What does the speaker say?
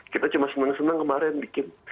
kita cuma senang senang kemarin bikin